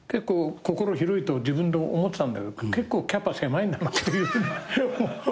心広いと自分で思ってたんだけど結構キャパ狭いんだなっていう。